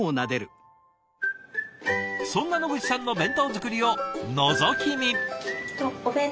そんな野口さんの弁当作りをのぞき見。